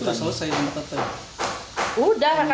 itu selesai dengan tetap